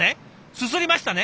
すすりましたね！